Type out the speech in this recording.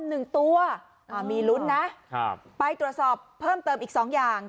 หนึ่งตัวอ่ามีลุ้นนะครับไปตรวจสอบเพิ่มเติมอีกสองอย่าง